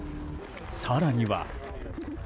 更には。